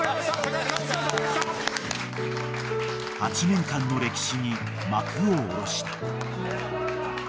［８年間の歴史に幕を下ろした］